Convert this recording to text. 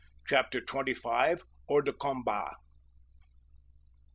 CHAPTER TWENTY FIVE. HORS DE COMBAT.